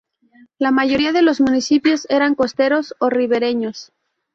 La mayoría de los municipios eran costeros o ribereños.